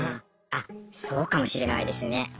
あそうかもしれないですね。